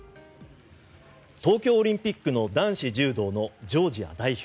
東京オリンピックの男子柔道のジョージア代表